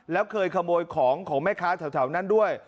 แล้วเคยขโมยของของแม่ค้าแถวนั้นด้วย